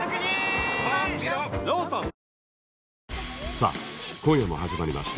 さあ今夜も始まりました